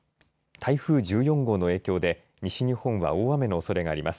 台風１４号の影響で西日本は大雨のおそれがあります。